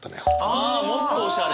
あもっとおしゃれ。